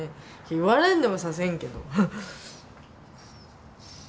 言われんでも刺せんけど。